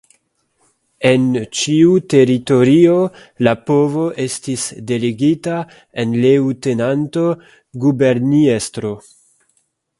En ĉiu teritorio la povo estis delegita en Leŭtenanto-Guberniestro.